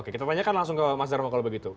oke kita tanyakan langsung ke mas darmo kalau begitu